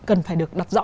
cần phải được đọc rõ